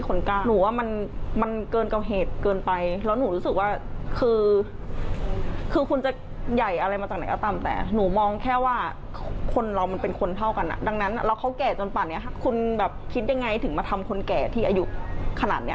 คุณคิดยังไงถึงมาทำคนแก่ที่อายุขนาดนี้